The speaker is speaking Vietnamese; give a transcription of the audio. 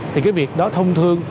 thì cái việc đó thông thường